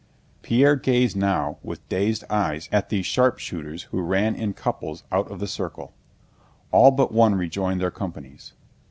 Pierre gazed now with dazed eyes at these sharpshooters who ran in couples out of the circle. All but one rejoined their companies.